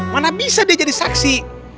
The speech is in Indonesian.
mana bisa dia jadi saksi